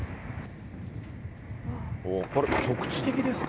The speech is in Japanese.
これ、局地的ですか。